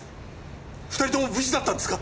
２人共無事だったんですか？